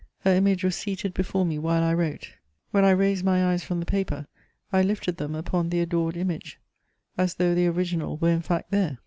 Her image was seated before me while I wrote. When I raised my eyes from the paper, I lifted them upon the adored image, as though the original were in fact there.